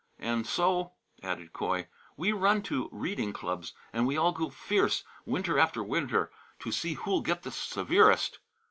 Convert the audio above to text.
And so," added Coy, "we run to reading clubs, and we all go fierce, winter after winter, to see who'll get the 'severest.'